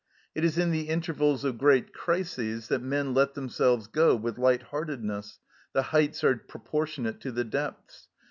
It is in the intervals of great crises that men let themselves go with light heartedness ; the heights are proportionate to the depths.